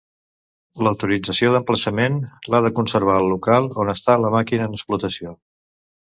L'autorització d'emplaçament l'ha de conservar el local on està la màquina en explotació.